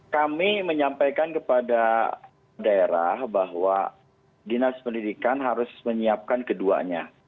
kami menyampaikan kepada daerah bahwa dinas pendidikan harus menyiapkan keduanya